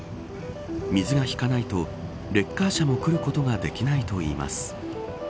水が引かないとレッカー車も来ることができないといいます。